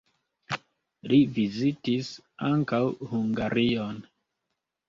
Li vizitis ankaŭ Hungarion.